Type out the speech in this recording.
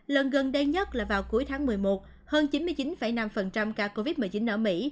lần gần đây nhất là vào cuối tháng một mươi một hơn chín mươi chín năm ca covid một mươi chín ở mỹ